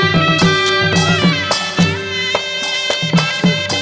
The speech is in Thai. มีชื่อว่าโนราตัวอ่อนครับ